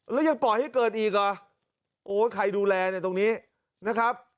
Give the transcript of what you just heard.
แล้วยังปล่อยให้เกิดอีกเหรอโอ้ยใครดูแลเนี่ยตรงนี้นะครับ